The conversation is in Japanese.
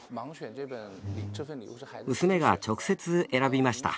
娘が直接選びました。